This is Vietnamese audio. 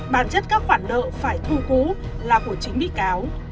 bản chất các khoản nợ phải thu cú là của chính bị cáo